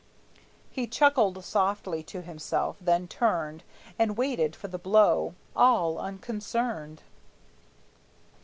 He chuckled softly to himself; then turned And waited for the blow, all unconcerned.